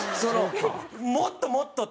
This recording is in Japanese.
もっともっとって。